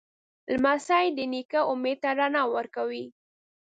لمسی د نیکه امید ته رڼا ورکوي.